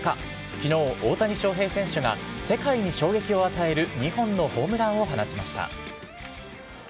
きのう、大谷翔平選手が世界に衝撃を与える２本のホームランを放ちました。